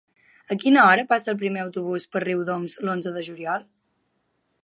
A quina hora passa el primer autobús per Riudoms l'onze de juliol?